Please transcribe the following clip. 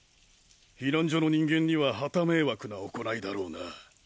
避難所の人間には傍迷惑な行いだろうな。